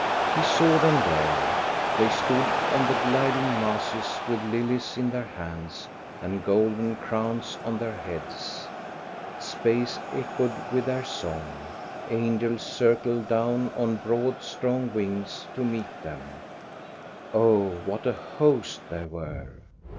He saw them there. They stood on the gliding masses with lilies in their hands and golden crowns on their heads. Space echoed with their song. Angels circled down on broad, strong wings to meet them. Oh, what a host there were